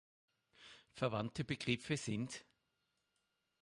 Verwandte Begriffe sind